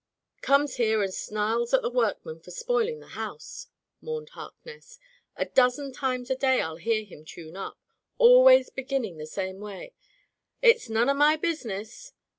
''Comes here and snarls at the workmen for spoiling the house," mourned Harkness. "A dozen times a day I'll hear him tune up, always beginning the same way — 'It's none of my business.'